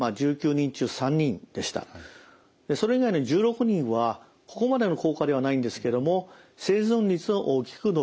それ以外の１６人はここまでの効果ではないんですけども生存率は大きく伸びています。